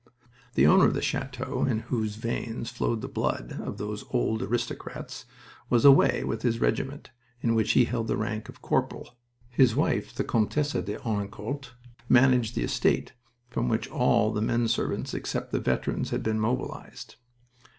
The owner of the chateau, in whose veins flowed the blood of those old aristocrats, was away with his regiment, in which he held the rank of corporal. His wife, the Comtesse de Henencourt, managed the estate, from which all the men servants except the veterans had been mobilized.